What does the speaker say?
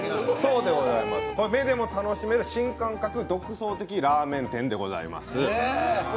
目でも楽しめる新感覚独創的ラーメン店でございます。